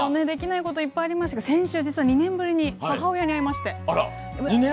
できないこといっぱいありましたけど先週、実は２年ぶりに母親に会いまして。